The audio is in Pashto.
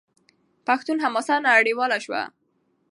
پښتون حماسه نړیواله شوه.